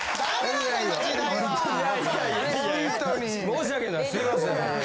申し訳ないすいません。